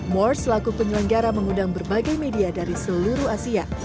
mors selaku penyelenggara mengundang berbagai media dari seluruh asia